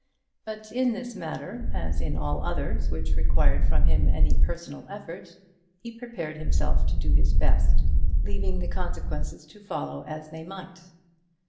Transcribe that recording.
But in this matter, as in all others which required from him any personal effort, he prepared himself to do his best, leaving the consequences to follow as they might.